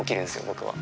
僕は。